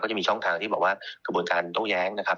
จะมีช่องทางที่บอกว่ากระบวนการต้องแย้งนะครับ